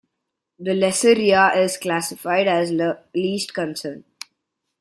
The lesser rhea is classified as least concern.